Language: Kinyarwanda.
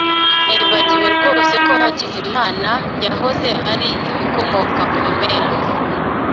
Nibagiwe rwose ko Hakizimana yahoze ari ibikomoka ku bimera.